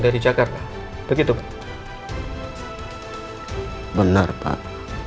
dari jakarta begitu pak benar pak